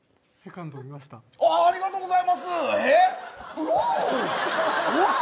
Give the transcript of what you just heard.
ありがとうございます。